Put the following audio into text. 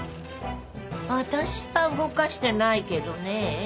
私は動かしてないけどねえ。